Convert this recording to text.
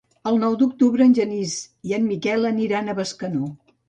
El nou d'octubre en Genís i en Miquel aniran a Bescanó.